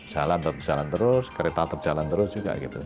jalan tetap jalan terus kereta tetap jalan terus juga gitu